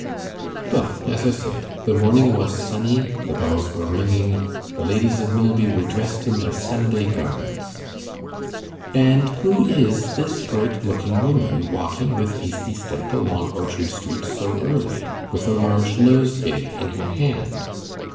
But, as I said, the morning was sunny, the bells were ringing, the ladies of Milby were dressed in their Sunday garments. And who is this bright looking woman walking with hasty step along Orchard Street so early, with a large nosegay in her hand?